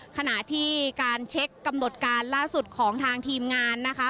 ขณะที่การเช็คกำหนดการล่าสุดของทางทีมงานนะคะ